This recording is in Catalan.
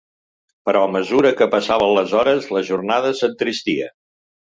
Però a mesura que passaven les hores, la jornada s’entristia.